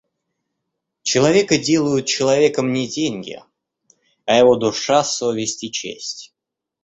Человека делают человеком не деньги, а его душа, совесть и честь.